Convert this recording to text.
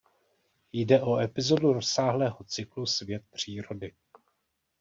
Jde o epizodu rozsáhlého cyklu "Svět přírody".